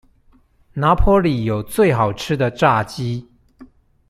拿坡里有最好吃的炸雞